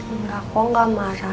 enggak kok gak marah